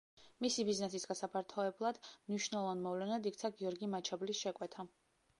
მისი ბიზნესის გასაფართოებლად მნიშვნელოვან მოვლენად იქცა გიორგი მაჩაბლის შეკვეთა.